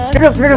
duduk duduk duduk